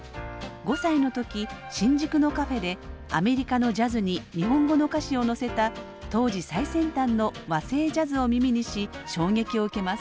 ５歳の時新宿のカフェでアメリカのジャズに日本語の歌詞を乗せた当時最先端の和製ジャズを耳にし衝撃を受けます。